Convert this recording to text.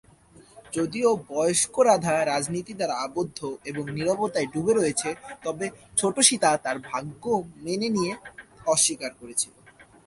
যদিও বয়স্ক রাধা রীতিনীতি দ্বারা আবদ্ধ এবং নীরবতায় ডুবে রয়েছে তবে ছোট সীতা তার ভাগ্য মেনে নিতে অস্বীকার করেছিলেন।